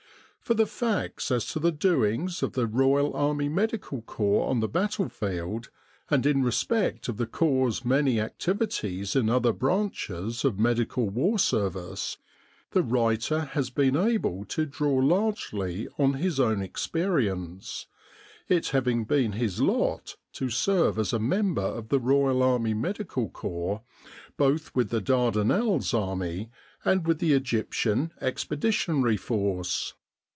For the facts as to the doings of the R.A.M.C. on the battlefield, and in respect of the Corps' many activities in other branches of medical war service, the writer has been able to draw largely on his own experience, it having been his lot to serve as a member of the Royal Army Medical Corps both with the Dardanelles Army and with the Egyptian Expeditionary Force.